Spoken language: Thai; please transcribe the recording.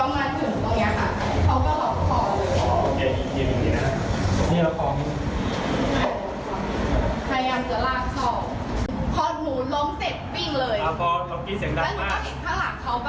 มันพูดไปซึ่งรถหรือไม่ครับ